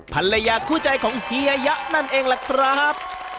ภรรยาคู่ใจของเฮียยะนั่นเองล่ะครับ